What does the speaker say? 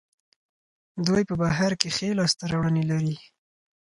دوی په بهر کې ښې لاسته راوړنې لري.